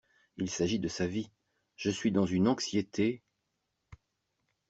Il s’agit de sa vie… je suis dans une anxiété…